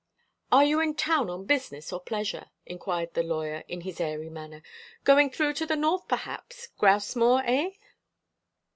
"Are you in town on business or pleasure?" inquired the lawyer, in his airy manner. "Going through to the north, perhaps; grouse moor, eh?"